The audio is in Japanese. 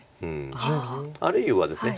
あるいはですね